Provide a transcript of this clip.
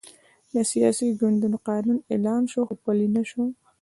د سیاسي ګوندونو قانون اعلان شو، خو پلی نه شو.